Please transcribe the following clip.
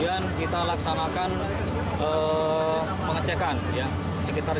yang dibawa ke kalimantan selatan